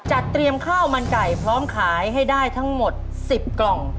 จัดเตรียมข้าวมันไก่พร้อมขายให้ได้ทั้งหมด๑๐กล่อง